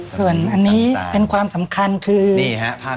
ส่วนอันนี้เป็นความสำคัญคือนี่ฮะภาพ